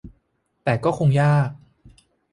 แต่ก็คงยาก